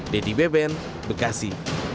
deddy beben bekasi